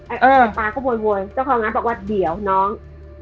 หมอปลาก็โวยเจ้าของร้านบอกว่าเดี๋ยวน้อง